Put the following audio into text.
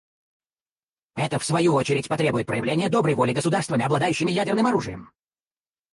Это, в свою очередь, потребует проявления доброй воли государствами, обладающими ядерным оружием.